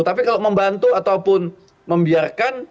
tapi kalau membantu ataupun membiarkan